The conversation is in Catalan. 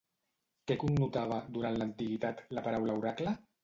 Què connotava, durant l'antiguitat, la paraula oracle?